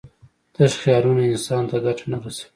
تش خیالونه انسان ته ګټه نه رسوي.